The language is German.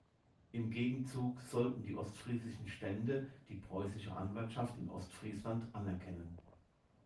Im Gegenzug sollten die Ostfriesischen Stände die preußische Anwartschaft in Ostfriesland anerkennen.